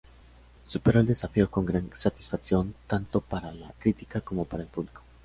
Superó el desafío con gran satisfacción tanto para la crítica como para el público.